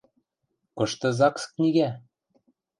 Кышты ЗАГС книгӓ?